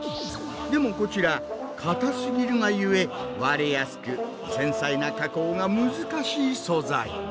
でもこちら硬すぎるがゆえ割れやすく繊細な加工が難しい素材。